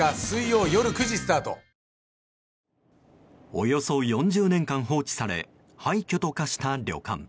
およそ４０年間放置され廃虚と化した旅館。